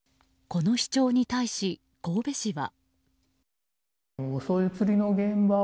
この主張に対し、神戸市は。